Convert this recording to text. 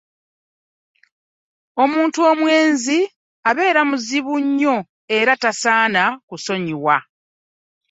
Omuntu omwenzi abeera muzibu nnyo era tasaana kusonyiwa.